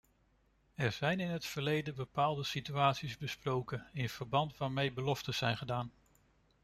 Er zijn in het verleden bepaalde situaties besproken in verband waarmee beloftes zijn gedaan.